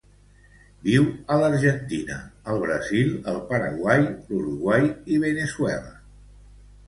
Viu a l'Argentina, el Brasil, el Paraguai, l'Uruguai i Veneçuela.